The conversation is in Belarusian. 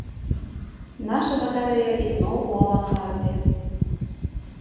Наша батарэя ізноў у авангардзе.